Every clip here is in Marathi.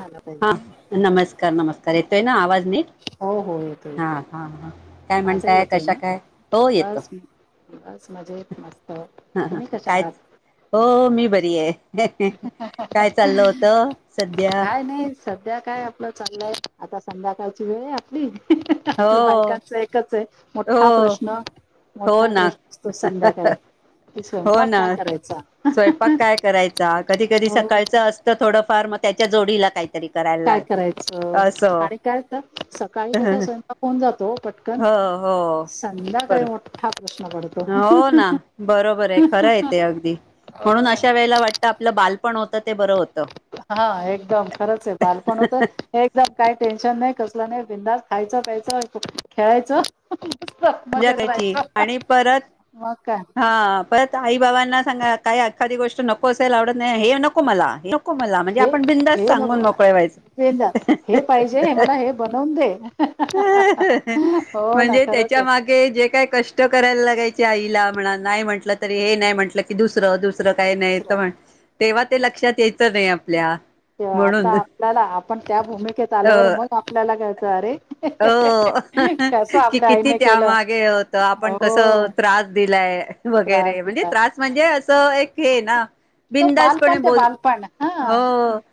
आला हा पाहिजे नमस्कार नमस्कार येतोय ना आवाज नीट हो हो येतो येतो येतो. हा-हा-हा काय माझा म्हणताय येतोय कशा ना काय हो येतो. बस बस मजेत मस्त तुम्ही कशा काय आहात हो मी बरी आहे काय चाललं होत सध्या काय नाही सध्या काय आपलं चांगलंय आता संध्याकाळची वेळ आहे हो आपली बायकांचा एकच आहे मोठा हो प्रश्न हो मोठा ना प्रश्न असतो संध्याकाळी हो स्वयंपाक ना काय करायचा स्वयंपाक काय करायचा कधी कधी हो सकाळचं असतं थोडंफार मग त्याच्या जोडीला काय काय करायचं आणि काय तर सकाळी कस स्वयंपा होऊन जातो पटकन हो हो बर संध्याकाळी मोठा प्रश्न पडतो हो ना बरोबर आहे. खरं य ते अगदी. हो म्हणून ना अशा वेळेला वाटतं. आपलं बालपण होतं ते बरं होत. हा एकदम खरंच आहे. बालपण होत. हे एकदम काय टेन्शन नाही. कसला नाही. बिंदास खायचं. प्यायचं. खेळायचं. मजेत ज्याकायची राहायचं आणि परत मग काय हा परत आई बाबांना सांग काय अखादी गोष्ट नको असेल आवडत नाही हे नको मला. नको मला. म्हणजे हे आपण बिंदास हे नको सांगून मला मोकळवायच. बिनधास्त हे पाहिजे हे मला हे बनवून दे हो ना म्हणजे खरंच त्याच्या आहे मागे. जे काय कष्ट करायला लागायचे. त्या आईला म्हणाव नाही. म्हटलं तरी हे नाही. म्हटलं की दुसरं दुसरं काही नाही. तेव्हा ते लक्षात यायचं नाही. आपल्या आता म्हणून आपल्याला आपण त्या भूमिकेत आल्यावर अ मग आपल्याला कळतं अरे. हो कसं की आपल्या किती आईने केलं त्यामागे होत. आपण कसं हो त्रास दिलाय. त्रास वगैरे म्हणजे दिला त्रास म्हणजे. असं एक हे. ना. तो बिंदासपणे बालपण ते बोल बालपण हो. हा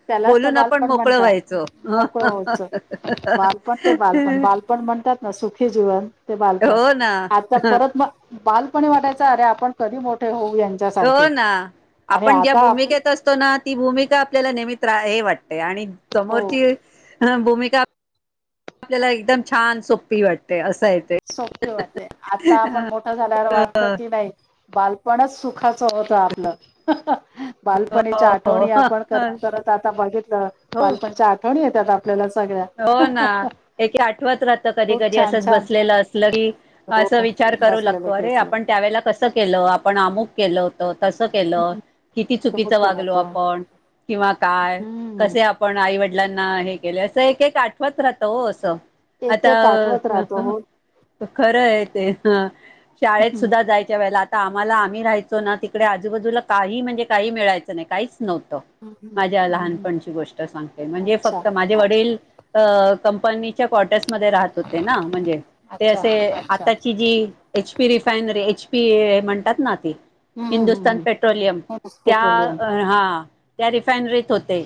त्यालाच तर बोलून आपण बालपण मोकळं म्हणतात व्हायच. ह. मोकळ हा. हा. व्हायचं हा. बालपण ते बालपण बालपण म्हणतात. ना सुखी जीवन. ते बालपण हो ना आता परत मग. बालपणी वाटायचं अरे आपण कधी मोठे होऊ यांच्यासारखे. हा आणि आपण ज्या आता आप भूमिकेत असतो ना. ती भूमिका आपल्याला नेहमी त्रा हे वाटते. आणि. हो समोरची भूमिका आपल्याला एकदम छान सोपी वाटते अस. सोपी वाटते. आता आपण मोठं झाल्यावर वाटत. की नाही बालपणच सुखा च होत आपलं. हो बालपणीच्या आठवणी. हो आपण करत करत आता बघितलं हो बालपणीच्या आठवणी येतात. आप हो ना एके आठवत राहत. खूप कधी-कधी छान असंच छान बसलेलं अस. तरी हो अस विचार करू बसलेलं लागतो. की अरे असलं आपण त्यावेळेला कसं केलं आपण अमुक केलं होत. कसं केलं हम्म. किती चुबुक चुकीचं केला वागलो. तो. आपण किंवा काय. हम्म. कसे आपण आई वडिलांना हे केले. असं एक एक आठवत राहत. हो असं एक एक आता आठवत राहतो हो. खरं आहे. ते ह शाळेत हम्म सुद्धा जायच्या वेळेला. आम्हाला आम्ही राहायचो. ना तिकडे आजूबाजूला काही म्हणजे काही मिळायचं नाही. काहीच नव्हतं. हम्म माझ्या हम्म. लहानपणची गोष्ट सांगते. म्हणजे अच्छा फक्त माझे अच्छा वडील अ कंपनी कॉटेज रहात होते ना. म्हणजे ते अच्छा असे अच्छा हम्म आत्ताची G. P refinery H. P ए म्हणतात. ना ती. हम्म हम्म हिंदुस्थान हम्म. पेट्रोलियम कोणस त्या पेट्रोलियम हा. त्या रिफायनरीत होते.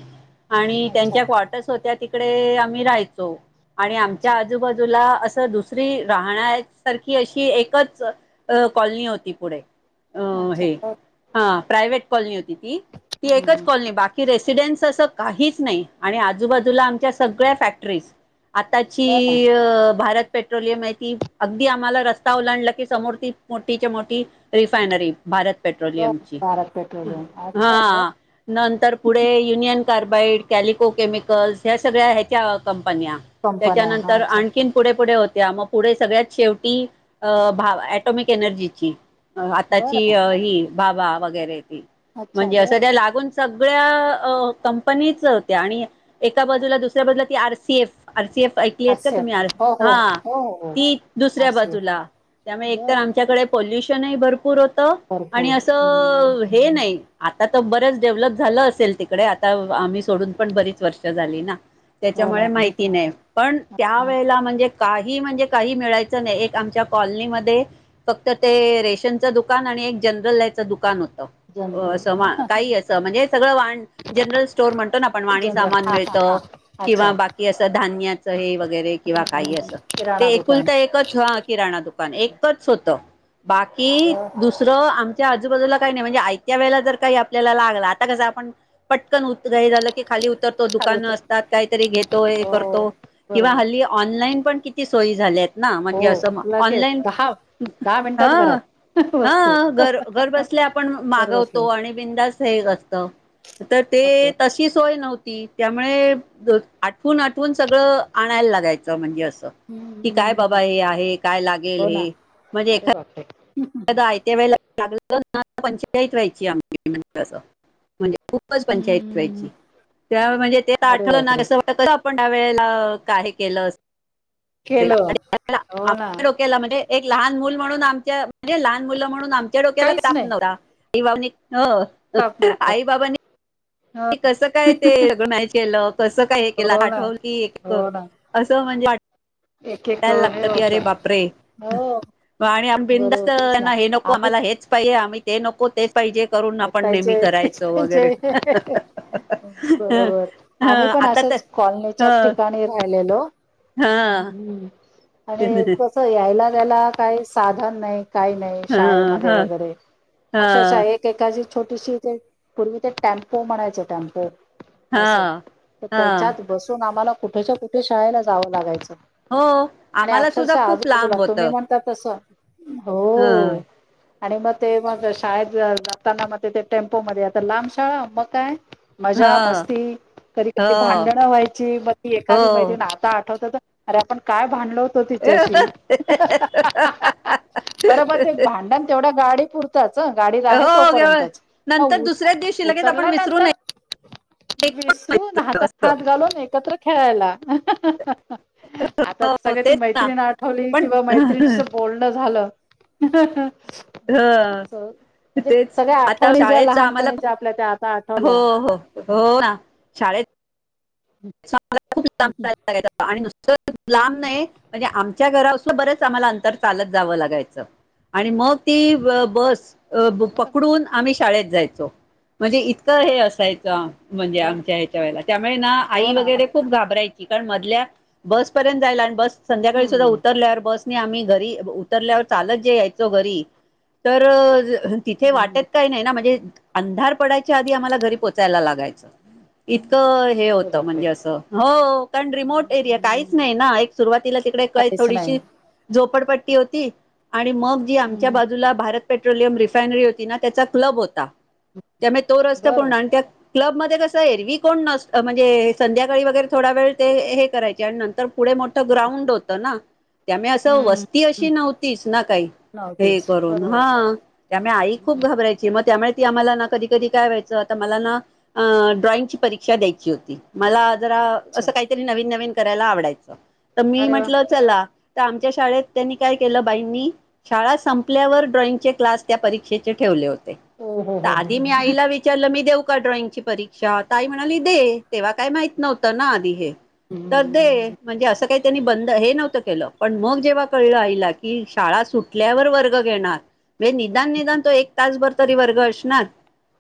आणि अच्छा त्यांच्या कॉटर्स होत्या तिकडे आम्ही राहायचो. आणि आमच्या अच्छा आजूबाजूला अस. दुसरी राहण्यासारखी अशी एकच कॉलनी होती. पुढे अ अच्छा हे बर हा. प्रायव्हेट कॉलनी होती. ती ती एकच हम्म कॉलनी बाकी रेस रेसिडेंट असं काहीच नाही. आणि आजूबाजूला आमच्या सगळ्या फॅक्टरीज. बरं आताची भारत पेट्रोलियम आहे. ती अगदी आम्हाला रस्ता ओलांडला की समोर ती मोठीच्या-मोठी. रिफायनरी भारत पेट्रोलियम बरं ची. भारत पेट्रोलियम अच्छा बर हा नंतर पुढे युनियन. कार्बाइड कॅलिको केमिकल्स ह्या सगळ्या याच्या कंप कंपन्या कंपन्या हा त्याच्यानंतर अच्छा आणखीन पुढे-पुढे होत्या. त्या मग पुढे सगळ्यात शेवटी अ भा आटॉमिक-एनर्जीची. आताची बरं ही बाबा वगैरे ती अच्छा म्हणजे. बरं असं त्या लागून. सगळ्या कंपनीच होत्या. आणि एका बाजूला. दुसऱ्या बाजूला. R. C. F R. C. F ऐकली का तुम्ही. आसेफ हो हो हा हो हो हो ती दुसऱ्या आसेफ बाजूला. त्यामुळे एकतर बरं आमच्याकडे पॉल्युशनही भरपूर होतं. आणि भरपूर हम्म असं हे नाही. आता तर बरंच डेव्हलप झालं असेल तिकडे, आता आम्ही सोडून पण बरीच वर्ष झाली ना, हो ना. त्याच्यामुळे हो माहिती नाही, पण ना. त्यावेेळेला म्हणजे काही म्हणजे काही मिळायचं नाही. एक आमच्या कॉलनीमध्ये फक्त ते रेशनचं दुकान आणि एक जनरल याचं दुकान होत. अस जनरल का अस म्हणजे सगळ वा जनरल स्टोर म्हणतो ना वाणी सामान आपण सा जनरल हा हा हा मिळतं किंवा अच्छा बाकी असं धान्याचे हे वगैरे असं काही असं किराणा दुकान एकुलत एक मिळतं. एकच ह किराणा दुकान एकच होत. बाकी खर दुसरं आ आजू बाजूला काही नाही म्हणजे आयत्या वेळेला जर का आपल्या लालाग आता कस आपण पटकन झा दुकान असत हो काहीतरी घोतो हे करतो किंवा बरोबर हली ऑनलान पण किती सोय झाल्या ना हो म्हणजे अस लगेच ऑनलाईन दहा दहा हा मिनिटात घरात वस्तू हा घर घर बसल्या आपण घर मागवतो बसल्या आणि बिंदास हे ते बरोबर तशी सोय नव्हती त्यामुळे आठवून आठवून सगळं आणायला लागायचं म्हणजे अस कि काय बाबा हम्म हे आहे काय लागेल हो ना हे म्हणजे अरे एखा बापरे आयत्या वेळेला लागला न पंचईत व्हायची आम्ही म्हणजें म्हणजे खूपच पंचायती व्हायची हम्म त्या म्हणजे त्याला अरे आठळ बापरे नास वा आपण त्या वेळेला काय केलं अस केलं ल्या हो ना डोक्याला म्हणजे एक लहान मुल म्हणून आमच्या म्हणजे लहान मुलं म्हणून आमच्या डोक्याला काहीच ताप नाही नव्हता भाव हो ताप न आई बाबाांनी हो क कसं काय तेगनाय केलं कसं काय हे केलं हो ना आठव की हो ना असं म्हणजे एक एक वाटायला लागत हे की होत अरे बापरे हो आणि आम्ही बरोबर बिंदस्त तेच ना हे नको आम्ही आम्हाला हेच पाहिजे आम्ही ते नको तेच पाहिजे करून हे आपण नेहमी पाहिजे तेच करायचं पाहिजे वगैरे ह बरोबर आम्ही पण आता तर असेच ह कॉलनीच्या ठिकाणी राहिलेलो ह् हा हम् ह आणि कस यायला त्यायला काही साधन नाही काही नाही ह शाळेमध्ये ह वगैरे अक्षरशः एक ी छोटीशी पूर्वी ते टेम्पो म्हणायचे टेम्पो असं हा तर हा त्याच्यात बसून आम्हाला कुठेच्या कुठे शाळेला जावं लागायचं हो आणि आम्हाला सुद्धा अक्षरशः खूप आजूबाजूला तुम्ही म्हणता तस हा आणि मग ते मग शाळेत जाताना मग ते टेम्पो मध्ये आता लांब शाळा मग काय ह मजा मस्ती कधी ह कधी हो भांडणं व्हायची मग एखादी मैदन आता आठवत अरे आपण काय भांडलो तिच्याशी बर बर एक भांडण तेवढ्या गाडी पुरतच गाडी रा आहे हो केवळ तोपर्यंतच ह नंतर दुसऱ्याच दिवशी लगेच आपण विसरून उतरल्यानंतर एक पण विसरून हातात असत हात घालून एकत्र खेळायला आता सगळ ती तेच ना मैत्रीिण आठवली पण किंवा मैत्रीणीशी बोलण झालं हा असं म्हणजे तेच सगळ्या आता आठवणी ज्या शाळेच आम्हाला लहानपणीच्या आपल्या त्या आता हो आठवल्या. हो हो ना शाळेत सो आणि लांब नाही म्हणजे आमच्या घरा असल बरेच आम्हाला अंतर चालत जावं लागायचं आणि मग ती बस अ बर पकडून आम्ही शाळेत जायचो म्हणजे इतकं हे असायचं म्हणजे बर. आमच्या ह्याच्या वेळेला त्यामुळे ना हो आई ना वगैरे खूप घाबर मधल्या बस पर्यंत बसं संधकाळी सुाधा हम्म उतरल्यावर ब आम्ही घरी उतरल्यावर चालत जे यायचो घरी तर तिथे वाटत हम्म काही नाही ना म्हणजे अंधार पडायच्या आधी आम्हाला घरी पोचायला लागायचं इतकं हे अरे होतं बापरे. म्हणजे असं हो कारण रिमोट एरिया काहीच हम्म नाही ना एक सुरुवातीला तिकडे काही काहीच नाही थोडीशी झोपडपट्टी होती आणि मग जी आमच्या हम्म बाजूला भारतपट्टी पेट्रोलियम रिफायनरी होती ना त्याचा क्लब होता त्यामुळे तो रस्ता बर पूर्ण आणि त्या क्लब मध्ये कसं यरवी कोण नस म्हणजे संध्याकाळी वगैरे थोडा वेळ ते हे करायचे आणि नंतर पुढे मोठं ग्राउंड होतं ना त्यामुळे असं हम्म वस्ती अशी नव्हतीच ना काही हे नव्हतीच करून बरोबर हा त्यामुळे आई खूप घाबरायची मग त्यामुळे की आम्हाला ना कधी कधी काय व्हायचं आता मला ना आ ड्रॉइंगची परीक्षा द्यायची होती मला जरा अस अच्छा काहीतरी नवीन नवीन करायला आवडायचं तर मी अरे वा म्हंटलं चला तर आमच्या शाळेत त्यांनी काय केलं बाईंनी शाळा संपल्यावर ड्रॉइंगचे क्लास त्या परीक्षेचे ठेवले होते ते हो हो हो त हो आधी मी आईला विचारलं मी देऊ का ड्रॉइंगची परीक्षा तर आई म्हणाली दे. तेव्हा काही माहित नव्हतं ना आधी हे तर हम्म दे म्हणजे असं काही त्यांनी बंद हे नव्हतं केलं पण मग जेव्हा कळलं आईला की शाळा सुटल्यावर वर्ग घेणार म्हणजे निदान निदान तो एक तासभर तरी वर्ग असणार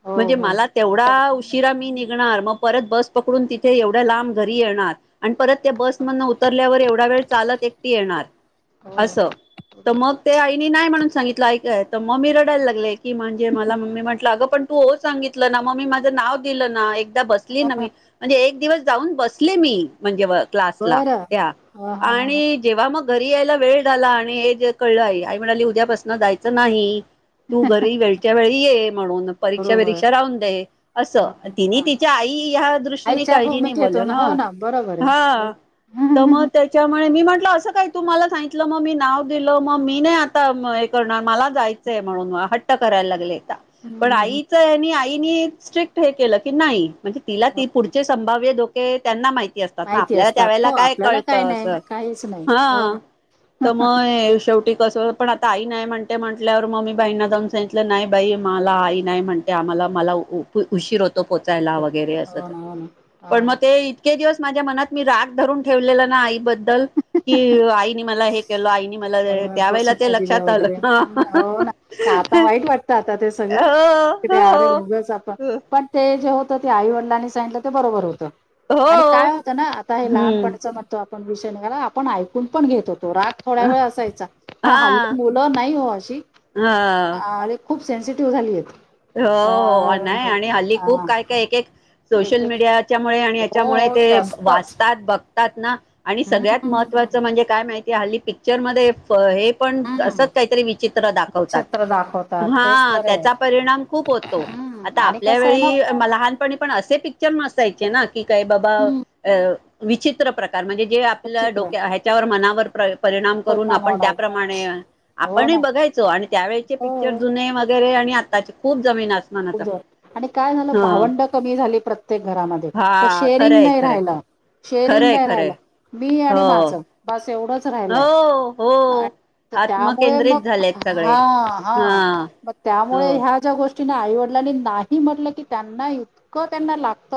हो म्हणजे हो मला तेवढा ऊ उशिरा मी निघणार मग परत बस पकडून मी तिथे एवढ्या लांब घरी येणार. आणि परत त्या बस मधन उतरल्यावर एवढा वेळ चालत एकटी येणार हो असं. तर मग ते आईनी नाही म्हणून सांगितलं आई काय तर मग मी रडायला लागले की म्हणजे मला मी म्हटलं अगं पण तू हो सांगितलं ना मग मी माझं नाव दिलं ना एकदा बसली ना मी म्हणजे एक दिवस जाऊन बसले मी म्हणजे व क्लासला बरं त्या हा हा हा हा आणि जेव्हा मग घरी यायला वेळ झाला आणि हे जे कळलं आई आई म्हणाली उद्यापासून जायचं नाही. तू घरी वेळच्या वेळी ये. म्हणून परीक्षा बरोबर बीरीक्षा राहून दे अस हा हा तिनी हा. तिच्या आई ह्या दृष्ट आईच्या काळजीनी बोललं भूमिकेतून ना हो बरोबर आहे. हा बरोबर त हम्म म हम्म त्याच्या मी म्हटलं अस काही तु मला सांगितलं मग मी नाव दिलं मग मी नाही आता हे करणार मला जायचंय म्हणून म हट्ट करायला लागले. पण हम्म आईच हेनी आईनी स्ट्रिक हे केलं की नाही म्हणजे तिला ती पुढ चे संभाव्य धोके त्यांना माहिती असतात ना माहिती आपल्याला असतात त्यावेळेला हो काय आपल्याला काय कळतं नाही असं. काहीच नाही हो ना हा तर म हे शेवटी कस पण आता आई नाही म्हणते म्हटल्यावर म मी बाईंना जाऊन सांगितलं नाही बाई मला आई नाही म्हणते. आम्हाला मला ऊ उशीर होतो पोचायला वगैरे अस हो त ना हो ना हा पण मग ते इतके इतके दिवस माझ्या मनात मी राग धरून ठेवलेला ना आई बद्दल की आई नी मला हे केलं आईनी मला अ, त्यावेळेला बसू ते नाही दिलं लक्षात वगैरे आलं. हम्म, हो ना ते आता वाईट वाटतं ते सगळं ते आरे हो उगाच आपण पण ते जे होत त ते आई वडिलांनी सांगितलं ते बरोबर होतं आणि काय हो होतं ना आता हे हम्म लहानपणाच म्हणतो आप पण विषय नीघाला आपण ऐकून पण घेत होत तो राग थोड्या वेळ असायचा पण हल्ली हा मुलं नाही हो अशी ह आणि खूप सेन्सिटिव्ह झाली आहेत. हो हो तर, नाही आणि हल्ली अ, खूप काय काय एक एक एक सोशल एक मीडियाच्या मुळे मुळे आणि हो याच्यामुळे ते जास्तच वाचतात बघतात ना आणि सगळ्यात हम्म महत्वाचं म्हणजे काय माहि ते हल्ली पिक्चर मध्ये प हे पण हम्म असच काही तरी विचित्र चित्र दाखवतात तेच हा तर आहे त्याचा परिणाम खूप होतो हम्म आता आणि आपल्या कसं आहे ना वेळी लहानपणी पण असे पिक्चर नसायचे ना. कि काय बाबा हम्म अ विचित्र प्रकार म्हणजे जे आपल्या विचित्र डोक्या ह्याच्यावर मनावर प परिणाम करून आपण त्याप्रमाणे हो आपणही ना बघायचो आणि त्यावेळेचे हो पिक्चर जुने वगैरे आणि आत ताचे खूप जमीन आस आणि काय झालं भावंड कमी झाली प्रत्येक घरामध्ये तर हा शेअरिंग खरंय नाही खरंय राहिला. शेरिंग खरंय नाही खरंय राहिलं मी आणि हो माझं बस एवढंच राहिलय. हो हो त त्यामुळे आत्मकेंद्रित मग झालेत सगळे हा हा मग हो त्यामुळे ह्या ज्या गोष्टी ना आईवडलानी नाही म्हटलं की त्यांना इतकं त्यांना लाग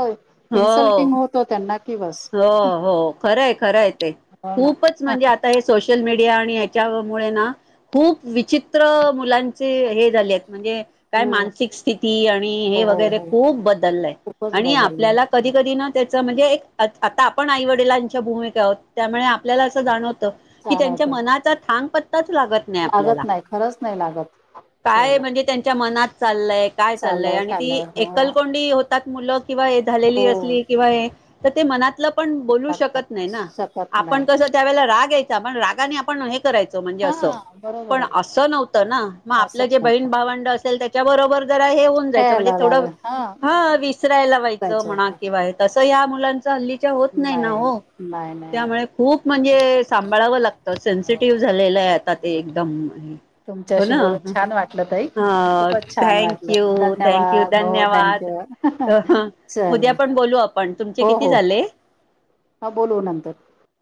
हो इन्सल्टिंग होतो त्यांना की बस हो हो खरंय-खरंय ते हो ना खूपच म्हणजे आता सोश शल मीडिया आणि याच्यामुळे ना खूप विचित्र मुलांचे हे झाले आहेत. म्हणजे हो काय मानसिक स्थिती आणि हे हो हो वगैरे हो खूप बदललय खूपच आणि बदललंय आपल्याला कधी-कधी ना त्याचा म्हणजे एक आत आता आपण आई वडिलांच्या भूमिका आहोत त्यामुळे आपल्याला असं जाणव त की त्यांच्या जाणवत मनाचा थांब पण पत्ताच लागत नाही आपल्याला लागत नाही खरंच नाही लागत काय चला म्हणजे त्यांच्या मनात लय काय चाललंय चालय आणि ती कालय हो एकलकोंडी होतात मुलं किंवा हे झालेली हो असली किंवा हे तर ते मनातलं पण बोलू शकत नाही लागतात ना? शकत आपण नाही कसं त्यावेळेला राग यायचा पण रागाने आपण हे करायचं म्हणजे हा असं बरोबर पण आहे असं नव्हतं ना? म असं आपलं जे म्हणतात. बहीण भावंड असेल त्यांच्याबरोबर जरा हे होऊन जायचं म्हणजे खेळायला थोडं लागल हा हां विसरायला व्हायचं जायचं म्हणा होत किंवा हे त स ह्या मुलांचं हल्ली च्या होत नाही ना हो नाही नाही त्यामुळे खुप म्हणजे सांभाळायला लागतं हो. सेन्सिटिव्ह झालेलंय आता ते एकदम हे हो तुमच्याशी ना बोलून छान वाटलं ताई हां खूपच छान थँक यू वाटलं थँक यू धन्यवाद हो धन्यवाद. थँक्यू अ हं चला उद्या पण बोलू आप हो हो हां बोलू नंतर.